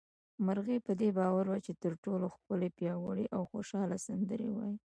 مرغۍ په دې باور وه چې تر ټولو ښکلې، پياوړې او خوشحاله سندرې وايي